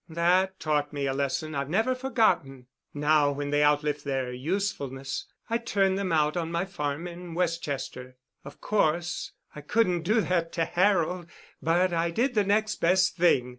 That taught me a lesson I've never forgotten. Now when they outlive their usefulness I turn them out on my farm in Westchester. Of course, I couldn't do that to Harold, but I did the next best thing.